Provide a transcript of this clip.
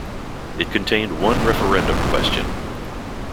It contained one referendum question.